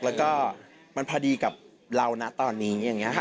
แล้วก็มันพอดีกับเรานะตอนนี้อย่างนี้ค่ะ